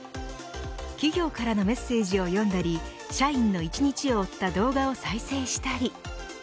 企業からのメッセージを読んだり社員の１日を追った動画を再生したり。